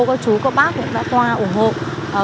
các chú các bác cũng đã qua ủng hộ